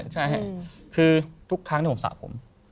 ใช่คือทุกครั้งที่ผมสระผม